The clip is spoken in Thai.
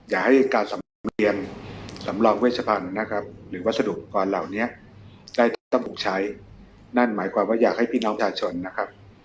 อยากให้การสำนึกเรียนสำรองเวชพันธุ์นะครับหรือวัสดุอุปกรณ์เหล่านี้ได้ต้องถูกใช้นั่นหมายความว่าอยากให้พี่น้องประชาชนนะครับ